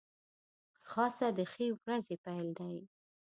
ځغاسته د ښې ورځې پیل دی